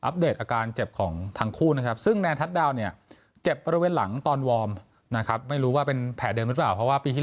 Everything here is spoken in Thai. พวกเราก็จะทำเพื่อแฟนให้ได้มากที่สุด